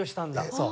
そう。